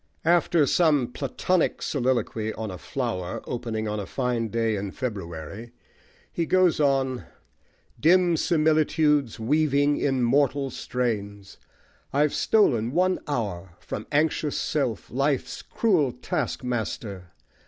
After some Platonic soliloquy on a flower opening on a fine day in February, he goes on Dim similitudes Weaving in mortal strains, I've stolen one hour From anxious self, life's cruel taskmaster!